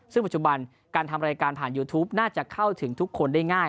ซึ่งปัจจุบันการทำรายการผ่านยูทูปน่าจะเข้าถึงทุกคนได้ง่าย